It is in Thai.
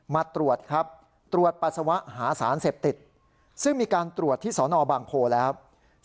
มาตรวจครับตรวจปัสสาวะหาสารเสพติดซึ่งมีการตรวจที่สนบางโพแล้ว